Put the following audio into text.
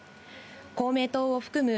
公明党を含む